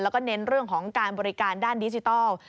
แล้วก็เน้นเรื่องของการบริการด้านดิจิทัล